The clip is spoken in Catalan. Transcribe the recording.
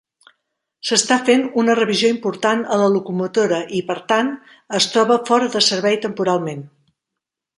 S'està fent una revisió important a la locomotora i, per tant, es troba fora de servei temporalment.